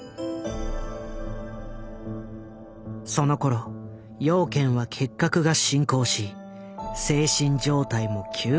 そのころ養賢は結核が進行し精神状態も急激に悪化。